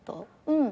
うん。